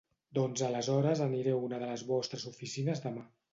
Doncs aleshores aniré a una de les vostres oficines demà.